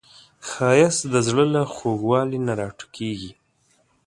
ښایست د زړه له خوږوالي نه راټوکېږي